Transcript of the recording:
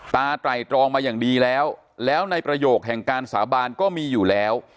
ไตรตรองมาอย่างดีแล้วแล้วในประโยคแห่งการสาบานก็มีอยู่แล้ว